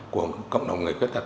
của cộng đồng người khuyết tật